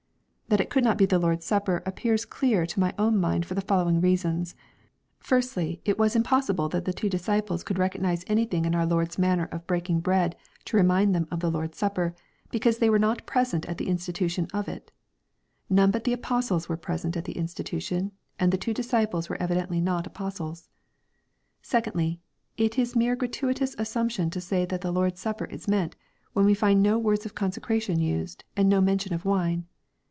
That it could not be the Lord's Supper appears clear to my own mind for the following reasons. — Firstly, it was impossible that the two disciples could recognize anything in our Lord's manner of breaking the bread to remind them of the Lord's Supper, be cause they were not present at the institution of it None but the apostles were present at the institution, and the two disciples were evidently not apostles. — Secondly, it is mere gratuitous as sumption to say that the Lord's Supper is meant, when we find no words of consecration used, and no mention of wine.